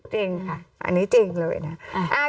จริงค่ะอันนี้จริงเลยนะ